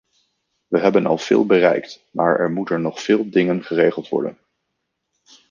We hebben al veel bereikt, maar er moeten nog veel dingen geregeld worden.